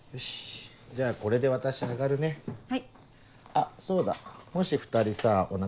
あっそうだもし２人さお腹